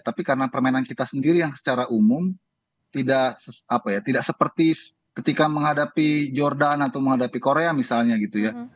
tapi karena permainan kita sendiri yang secara umum tidak seperti ketika menghadapi jordan atau menghadapi korea misalnya gitu ya